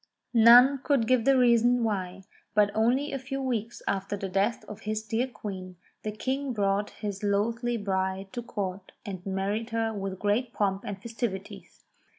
None could give the reason why, but only a few weeks after the death of his dear Queen, the King brought this loathly bride to Court, and married her with great pomp and festivities.